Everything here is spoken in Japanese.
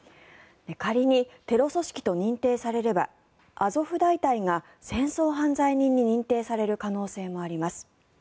仮にテロ組織と認定されればアゾフ大隊が戦争犯罪人に認定される可能性もあります。